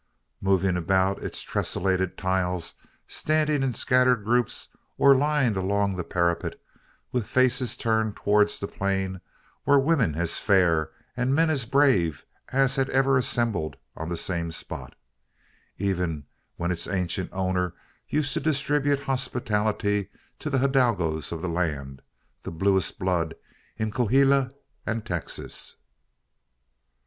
Moving about over its tessellated tiles, standing in scattered groups, or lined along the parapet with faces turned towards the plain, were women as fair and men as brave as had ever assembled on that same spot even when its ancient owner used to distribute hospitality to the hidalgos of the land the bluest blood in Coahuila and Texas.